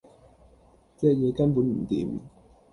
隻嘢根本唔掂